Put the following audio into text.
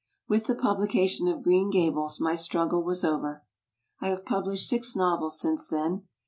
With the publication of Green Gables my struggle was over. I have published six novels since then.